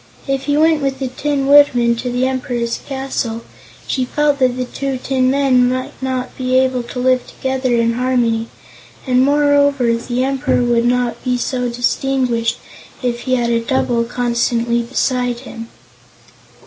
If he went with the Tin Woodman to the Emperor's castle, she felt that the two tin men might not be able to live together in harmony, and moreover the Emperor would not be so distinguished if he had a double constantly beside him.